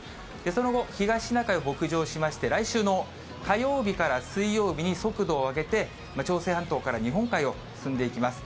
その後、東シナ海を北上しまして、来週の火曜日から水曜日に速度を上げて、朝鮮半島から日本海を進んでいきます。